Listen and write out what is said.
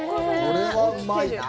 これはうまいな。